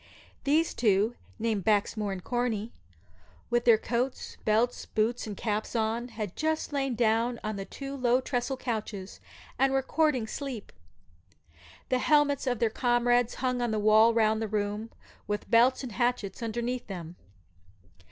These two (named Baxmore and Corney), with their coats, belts, boots, and caps on, had just lain down on two low tressel couches, and were courting sleep. The helmets of their comrades hung on the walls round the room, with belts and hatchets underneath them.